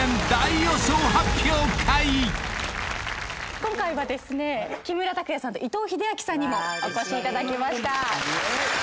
今回は木村拓哉さんと伊藤英明さんにもお越しいただきました。